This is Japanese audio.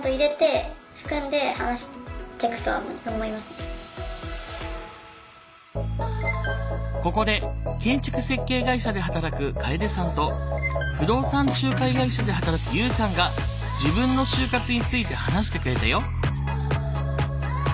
例えばここで建築設計会社で働く楓さんと不動産仲介会社で働くＵさんが自分の就活について話してくれたよ。